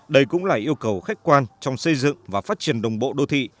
đây cũng là yêu cầu khách quan trong xây dựng và phát triển đồng bộ đô thị